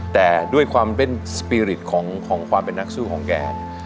แต่ด้วยความเป็นสปีริตของความเป็นนักสู้ของแก